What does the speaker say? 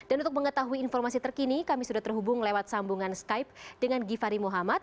dan untuk mengetahui informasi terkini kami sudah terhubung lewat sambungan skype dengan givhary muhammad